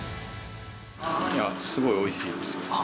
すごいおいしいですよ。